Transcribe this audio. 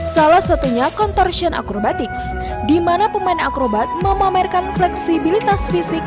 salah satunya contortion acrobatics di mana pemain akrobat memamerkan fleksibilitas fisik